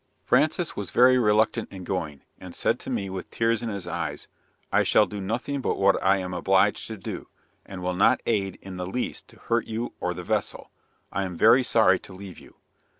Francis was very reluctant in going, and said to me, with tears in his eyes, "I shall do nothing but what I am obliged to do, and will not aid in the least to hurt you or the vessel; I am very sorry to leave you."